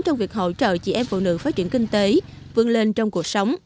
trong việc hỗ trợ chị em phụ nữ phát triển kinh tế vươn lên trong cuộc sống